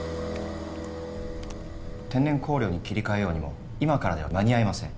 天然香料に切り替えようにも今からでは間に合いません。